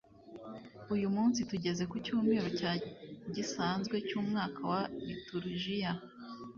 uyu munsi tugeze ku cyumweru cya gisanzwe cy'umwaka wa liturijiya